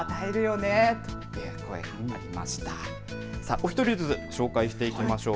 お１人ずつ紹介していきましょう。